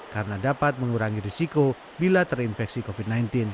karena dapat mengurangi risiko bila terinfeksi covid sembilan belas